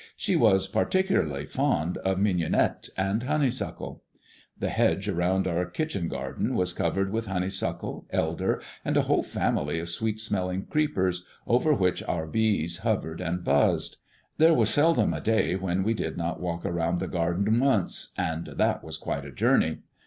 She was particularly fond of mignonette and honey suckle. The hedge around our kitchen garden was covered with honey suckle, elder, and a whole family of sweet smelling creepers, over which our bees hovered and buzzed. There was seldom a day when we did not walk around the garden once, and that was quite a journey.